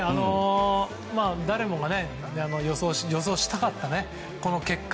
誰もが予想したかったこの結果。